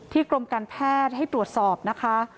กรมการแพทย์ให้ตรวจสอบนะคะ